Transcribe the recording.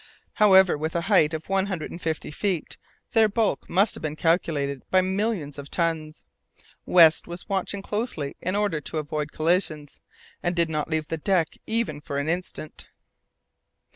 However, with a height of one hundred and fifty feet, their bulk must have been calculated by millions of tons. West was watching closely in order to avoid collisions, and did not leave the deck even for an instant.